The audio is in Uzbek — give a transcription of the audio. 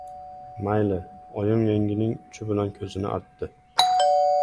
— Mayli. — Oyim yengining uchi bilan ko‘zini artdi.